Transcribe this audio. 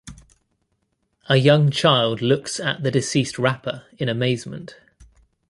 A young child looks at the deceased rapper in amazement.